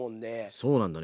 そうなんだね